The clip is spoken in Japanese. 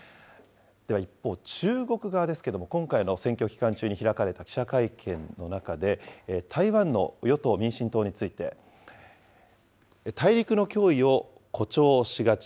では一方、中国側ですけれども、今回の選挙期間中に開かれた記者会見の中で、台湾の与党・民進党について、大陸の脅威を誇張しがち。